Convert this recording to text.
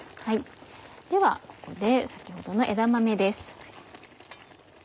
ではここで先ほどの枝豆です。